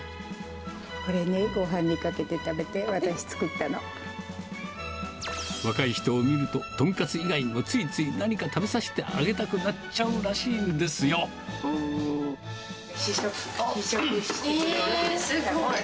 これね、ごはんにかけて食べ若い人を見ると、豚カツ以外にもついつい何か食べさせてあげたくなっちゃうらしい試食、えー、すごい。